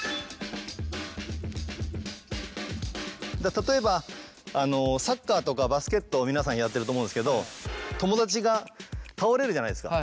例えばサッカーとかバスケットを皆さんやってると思うんですけど友達が倒れるじゃないですか。